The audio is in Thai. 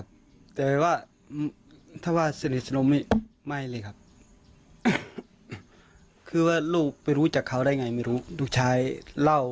ผมได้ยินแล้วก็คิดว่าผมพูดอะไรไม่ออกนะครับ